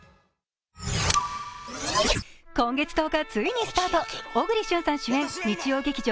今月１０日、ついにスタート、小栗旬さん主演日曜劇場